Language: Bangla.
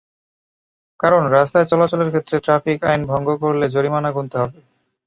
কারণ, রাস্তায় চলাচলের ক্ষেত্রে ট্রাফিক আইন ভঙ্গ করলে জরিমানা গুনতে হবে।